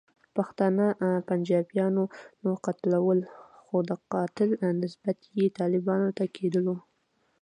پښتانه پنجابیانو قتلول، خو د قاتل نسبیت یې طالبانو ته کېدلو.